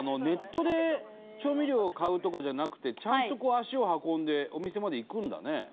ネットで調味料を買うとかじゃなくてちゃんとこう足を運んでお店まで行くんだね？